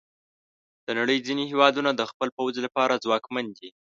د نړۍ ځینې هیوادونه د خپل پوځ لپاره ځواکمن دي.